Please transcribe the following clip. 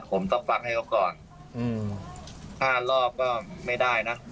ผมต้องฟังให้เขาก่อน๕รอบก็ไม่ได้นะ